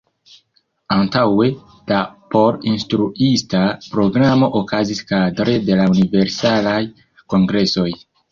Antaŭe, la por instruista programo okazis kadre de la universalaj kongresoj.